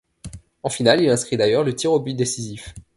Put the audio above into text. En finale, il inscrit d'ailleurs le tir au but décisif.